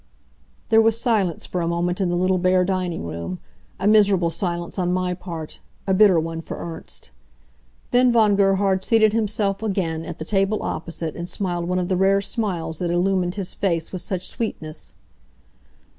There was silence for a moment in the little bare dining room a miserable silence on my part, a bitter one for Ernst. Then Von Gerhard seated himself again at the table opposite and smiled one of the rare smiles that illumined his face with such sweetness.